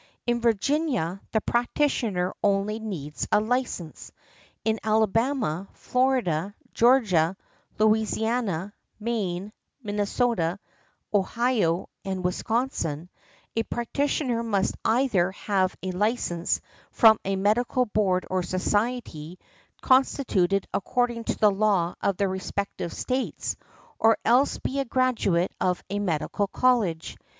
In Virginia, the practitioner only needs a license. In Alabama, Florida, Georgia, Louisiana, Maine, Minnesota, Ohio and Wisconsin, a practitioner must either have a license from a medical board or society, constituted according to the law of the respective States, or else be a graduate of a medical college.